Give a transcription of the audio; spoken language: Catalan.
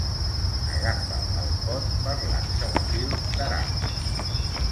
Agafà el pot per l'ansa de fil d'aram.